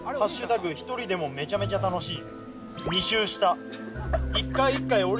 一人でもめちゃめちゃ楽しい」